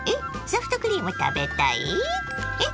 ソフトクリーム食べたい？え？